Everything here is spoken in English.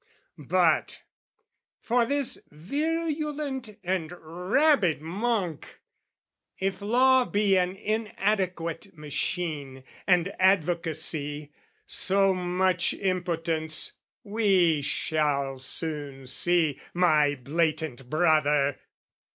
But, for this virulent and rabid monk, If law be an inadequate machine, And advocacy, so much impotence, We shall soon see, my blatant brother!